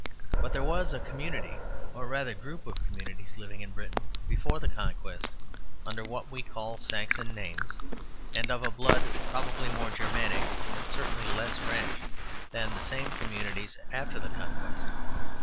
But there was a community, or rather group of communities, living in Britain before the Conquest under what we call Saxon names, and of a blood probably more Germanic and certainly less French than the same communities after the Conquest.